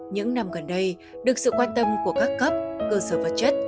những năm gần đây được sự quan tâm của các cấp cơ sở vật chất